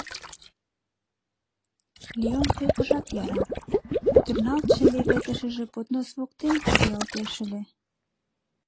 Леон койкыжат яра, пӱтырналтше леведышыже поднос воктен кийылтеш ыле.